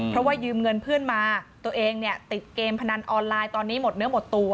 เพราะว่ายืมเงินเพื่อนมาตัวเองเนี่ยติดเกมพนันออนไลน์ตอนนี้หมดเนื้อหมดตัว